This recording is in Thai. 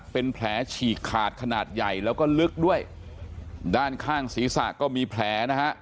เป็นแผลฉีกขาดขนาดใหญ่แล้วก็ลึกด้วยด้านข้างศีรษะก็มีแผลนะฮะ